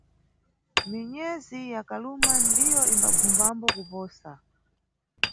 Minyezi ya kaluma ndiyo imbabvumbambo kuposa.